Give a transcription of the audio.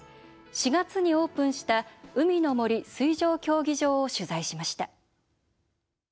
４月にオープンした海の森水上競技場を取材しました。